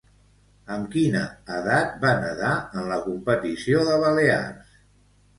Amb quina edat va nedar en la competició de Balears?